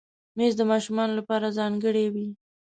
مېز د ماشومانو لپاره ځانګړی وي.